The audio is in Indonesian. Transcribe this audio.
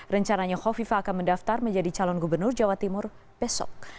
rencananya kofifa akan mendaftar menjadi calon gubernur jawa timur besok